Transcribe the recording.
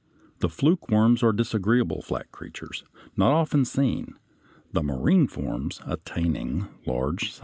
The flukeworms (Fig. 61) are disagreeable flat creatures, not often seen, the marine forms attaining large size.